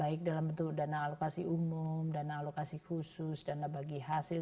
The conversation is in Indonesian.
baik dalam bentuk dana alokasi umum dana alokasi khusus dana bagi hasil